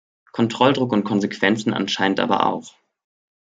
Kontrolldruck und Konsequenzen anscheinend aber auch.